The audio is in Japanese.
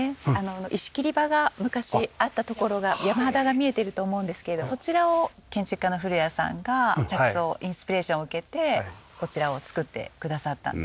石切場が昔あった所が山肌が見えてると思うんですけれどそちらを建築家の古谷さんが着想インスピレーションを受けてこちらを造ってくださったんです。